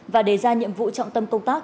và đề ra nhiệm vụ trọng tâm công tác